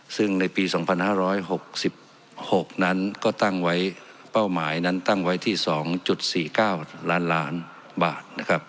ซึ่งในปี๒๕๖๖นั้นก็ตั้งไว้เป้าหมายนั้นตั้งไว้ที่๒๔๙ล้านล้านบาทนะครับ